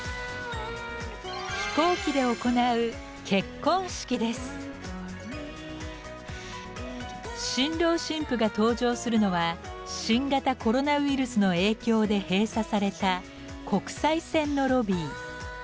飛行機で行う新郎新婦が登場するのは新型コロナウイルスの影響で閉鎖された国際線のロビー。